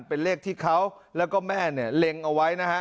เป็นเลขที่เขาแล้วก็แม่แหลงเอาไว้